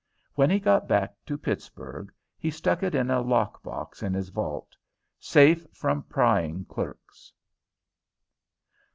When he got back to Pittsburgh, he stuck it in a lock box in his vault, safe from prying clerks.